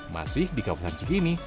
masih di kawasan segini